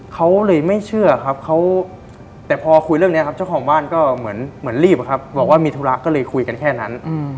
เขาเลยไม่เชื่อครับเขาแต่พอคุยเรื่องนี้ครับเจ้าของบ้านก็เหมือนรีบครับบอกว่ามีธุระก็เลยคุยกันแค่นั้น